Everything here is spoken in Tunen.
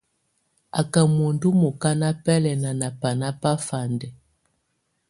Á ká muǝndù mukana bɛlɛna nà bana bafandɛ.